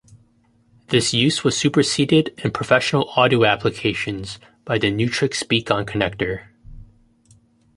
This use was superseded in professional audio applications by the Neutrik Speakon connector.